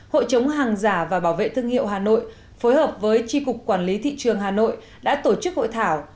hội chống hàng giả và bảo vệ thương hiệu hà nội phối hợp với tri cục quản lý thị trường hà nội đã tổ chức hội thảo